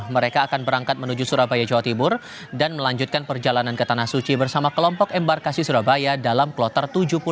mereka akan berangkat menuju surabaya jawa timur dan melanjutkan perjalanan ke tanah suci bersama kelompok embarkasi surabaya dalam kloter tujuh puluh